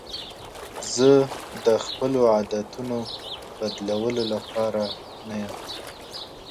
زه د خپلو عادتونو بدلولو لپاره نه یم.